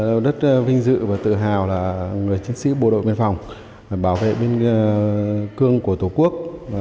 tôi rất vinh dự và tự hào là người chiến sĩ bộ đội biên phòng bảo vệ biên cương của tổ quốc